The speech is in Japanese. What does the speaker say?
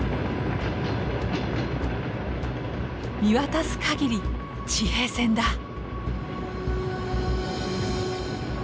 見渡すかぎり地平線だ。